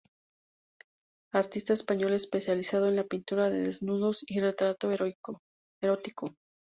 Artista español especializado en la pintura de desnudos y retrato erótico.